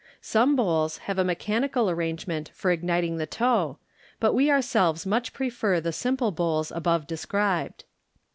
Some bowls have a mechanical arrangement for igniting the tow, but we ourselves much prefer the simple bowls above described.